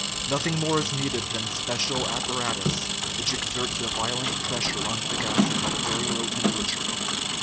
Nothing more is needed than special appara tus, which exerts a violent pressure on the gases at a very low temperature.